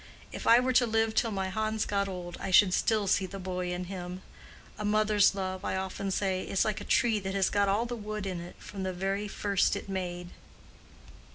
If I were to live till my Hans got old, I should still see the boy in him. A mother's love, I often say, is like a tree that has got all the wood in it, from the very first it made."